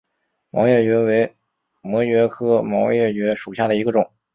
毛叶蕨为膜蕨科毛叶蕨属下的一个种。